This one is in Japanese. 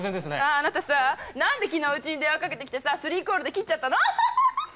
あなたさ何で昨日うちに電話かけてきてさ３コールで切っちゃったの？